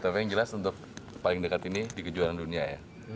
tapi yang jelas untuk paling dekat ini di kejuaraan dunia ya